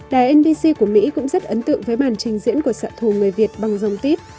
đài nbc của mỹ cũng rất ấn tượng với màn trình diễn của sạ thủ người việt bằng dòng tít